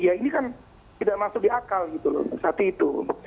ya ini kan tidak masuk di akal gitu loh saat itu